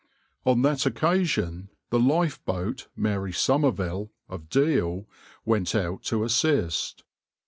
On that occasion the lifeboat {\itshape{Mary Somerville}} of Deal went out to assist.